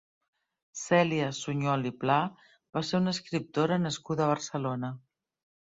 Cèlia Suñol i Pla va ser una escriptora nascuda a Barcelona.